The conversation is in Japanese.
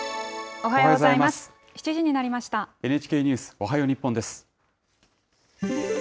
おはようございます。